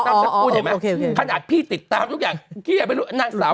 นางสกุลเห็นไหมขนาดพี่ติดตามทุกอย่างเหี้ยไม่รู้นางสาว